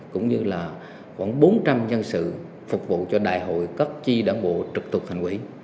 cũng như là khoảng bốn trăm linh nhân sự phục vụ cho đại hội cấp chi đảng bộ trực tục thành quỹ